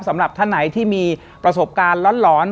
สำหรับท่านไหนที่มีประสบการณ์หลอน